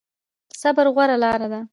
صبر غوره لاره ده